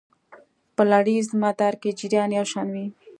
په لړیز مدار کې جریان یو شان وي.